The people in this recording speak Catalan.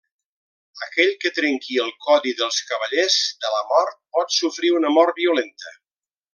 Aquell que trenqui el codi dels cavallers de la mort pot sofrir una mort violenta.